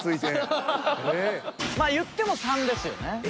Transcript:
まあいっても３ですよね。